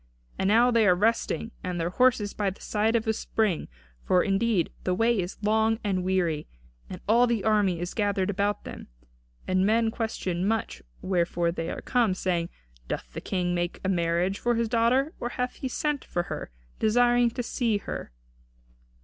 And now they are resting themselves and their horses by the side of a spring, for indeed the way is long and weary. And all the army is gathered about them. And men question much wherefore they are come, saying, 'Doth the King make a marriage for his daughter; or hath he sent for her, desiring to see her?'"